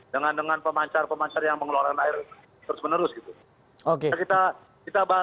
dengan dengan pemancar pemancar yang mengeluarkan air terus menerus gitu